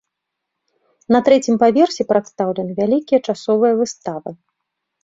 На трэцім паверсе прадстаўлены вялікія часовыя выставы.